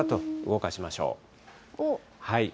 動かしましょう。